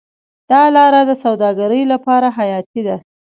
دا لاره د سوداګرۍ لپاره حیاتي ده.